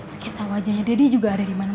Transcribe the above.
sketsa wajahnya daddy juga ada dimana dua